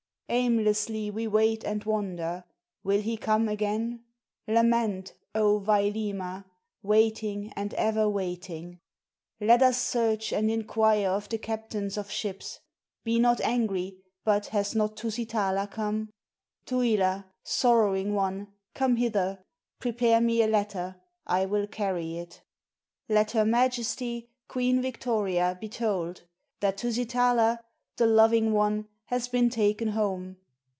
Aimlessly we wait and wonder, Will he come again? Lament, oh Vailima, waiting and ever waiting; Let us search and inquire of the Captains of Ships, "Be not angry, but has not Tusitala come?" Tuila, sorrowing one, come hither, Prepare me a letter, I will carry it. Let her Majesty, Queen Victoria, be told, That Tusitala, the loving one, has been taken home.